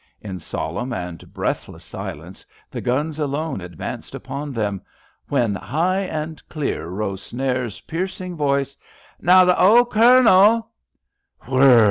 In solemn and breathless silence, the guns alone advanced upon them, when high and clear rose Snares's piercing voice, " Now, th* old Cournel " Whirrh !